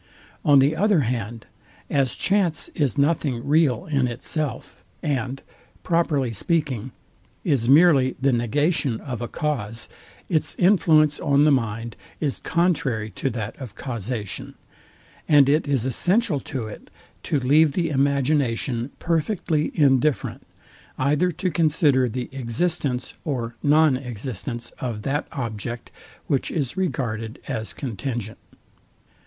On the other hand, as chance is nothing real in itself, and, properly speaking, is merely the negation of a cause, its influence on the mind is contrary to that of causation; and it is essential to it, to leave the imagination perfectly indifferent, either to consider the existence or non existence of that object, which is regarded as contingent.